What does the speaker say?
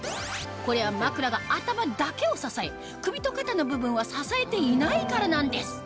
これは枕が頭だけを支え首と肩の部分は支えていないからなんです